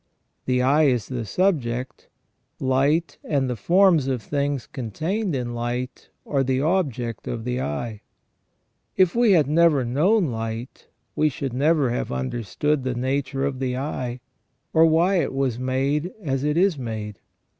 The eye is the subject ; light and the forms of things contained in light are the object of the eye. If we had never known light, we should never have understood the nature of the eye, or why it was made as it is made.